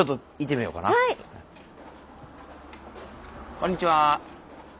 こんにちは。